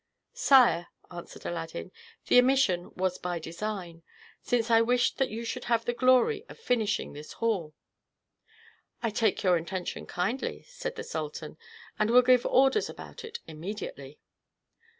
"Sire," answered Aladdin, "the omission was by design, since I wished that you should have the glory of finishing this hall." "I take your intention kindly," said the sultan, "and will give orders about it immediately."